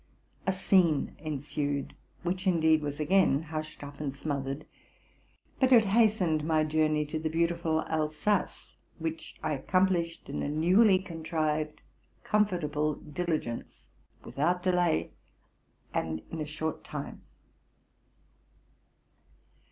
A scene ensued, which, indeed, was again hushed up and smothered ; but it hastened my journey to the beautiful Al sace, which I accomplished in a newly contrived comfortable diligence, without delay, and in a short time.